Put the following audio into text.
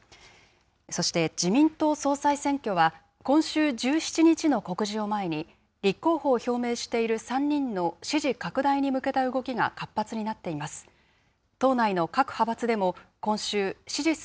そして、自民党総裁選挙は今週１７日の告示を前に、立候補を表明している３人の支持拡大に向けた動きが活発になっています。